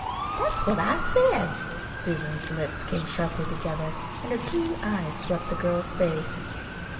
"That's what I said." Susan's lips came sharply together and her keen eyes swept the girl's face.